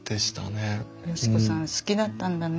嘉子さん好きだったんだね